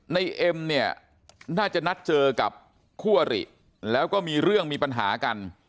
เอ็มเนี่ยน่าจะนัดเจอกับคู่อริแล้วก็มีเรื่องมีปัญหากัน